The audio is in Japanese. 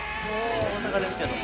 大阪ですけど。